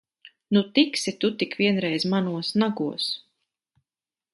Nu, tiksi tik tu vienreiz manos nagos!